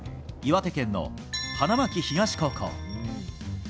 岩手県の花巻東高校。